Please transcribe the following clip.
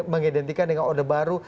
mengidentikan dengan orde baru